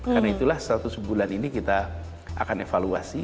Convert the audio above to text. karena itulah satu sebulan ini kita akan evaluasi